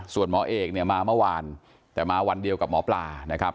ส่วนหมอเอกเนี่ยมาเมื่อวานแต่มาวันเดียวกับหมอปลานะครับ